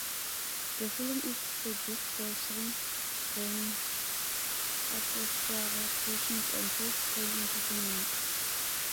The film is produced by Sri Venkateswara Creations and First Frame Entertainments.